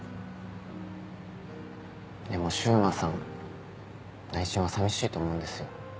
でも柊磨さん内心は寂しいと思うんですよ。